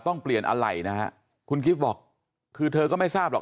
ต้องเปลี่ยนอะไรนะฮะคุณกิฟต์บอกคือเธอก็ไม่ทราบหรอก